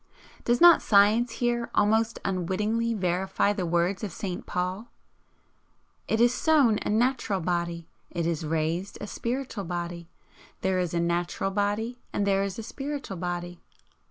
Does not Science here almost unwittingly verify the words of St. Paul: "It is sown a natural body; it is raised a spiritual body. There is a natural body, and there is a spiritual body"?